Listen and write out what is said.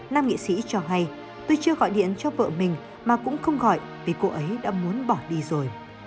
nam nghị sĩ cho hay tôi chưa gọi điện cho vợ mình mà cũng không gọi vì cô ấy đã muốn bỏ đi rồi